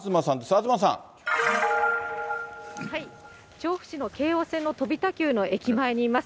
調布市の京王線の飛田給の駅前にいます。